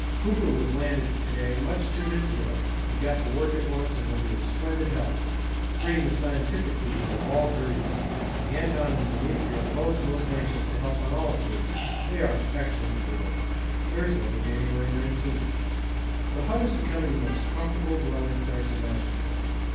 Hooper was landed to day, much to his joy. He got to work at once, and will be a splendid help, freeing the scientific people of all dirty work. Anton and Demetri are both most anxious to help on all occasions; they are excellent boys. Thursday, January 19. The hut is becoming the most comfortable dwelling place imaginable.